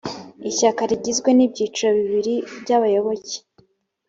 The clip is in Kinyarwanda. ishyaka rigizwe n ibyiciro bibiri by abayoboke